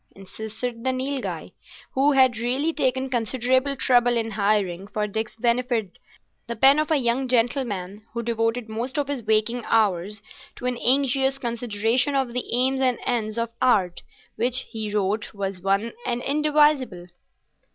insisted the Nilghai, who had really taken considerable trouble in hiring for Dick's benefit the pen of a young gentleman who devoted most of his waking hours to an anxious consideration of the aims and ends of Art, which, he wrote, was one and indivisible.